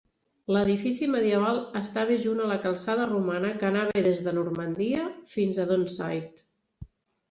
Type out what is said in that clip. L'edifici medieval estava junt a la calçada romana que anava des de Normandia fins a Donside.